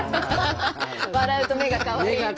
「笑うと目がかわいい」。